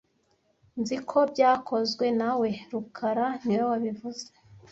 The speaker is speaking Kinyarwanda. Nzi ko byakozwe na we rukara niwe wabivuze